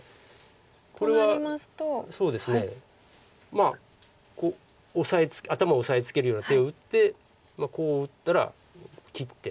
まあ頭を押さえつけるような手を打ってこう打ったら切って。